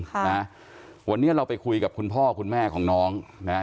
ค่ะนะวันนี้เราไปคุยกับคุณพ่อคุณแม่ของน้องนะฮะ